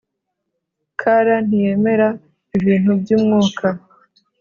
Kr ntiyemera ibintu by umwuka